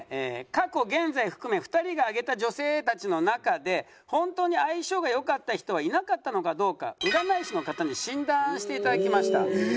過去現在含め２人が挙げた女性たちの中で本当に相性が良かった人はいなかったのかどうか占い師の方に診断していただきました。